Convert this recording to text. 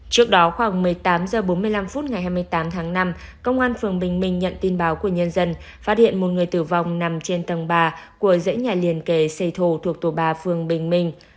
trước đó khoảng một mươi tám h bốn mươi năm phút ngày hai mươi tám tháng năm công an phường bình minh nhận tin báo của nhân dân phát hiện một người tử vong nằm trên tầng ba của dãy nhà liền kề xê thổ thuộc tổ ba phường bình minh